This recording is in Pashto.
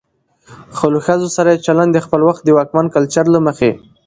خو له ښځو سره يې چلن د خپل وخت د واکمن کلچر له مخې